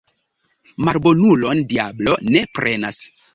Malbonulon diablo ne prenas.